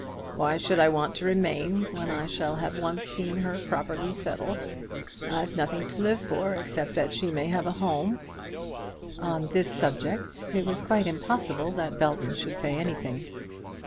Why should I want to remain when I shall have once seen her properly settled. I've nothing to live for except that she may have a home." On this subject it was quite impossible that Belton should say anything.